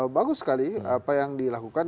bagus sekali apa yang dilakukan